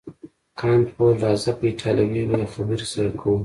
کانت وویل راځه په ایټالوي به خبرې سره کوو.